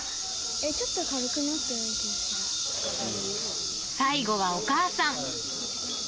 ちょっと軽くなったような気最後はお母さん。